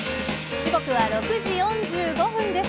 時刻は６時４５分です。